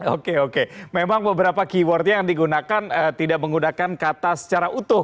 oke oke memang beberapa keywordnya yang digunakan tidak menggunakan kata secara utuh